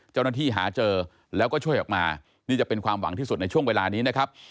เจ้าหน้าที่หาเจอแล้วก็ช่วยออกมานี่จะเป็นความหวังที่สุดในช่วงเวลานี้นะครับ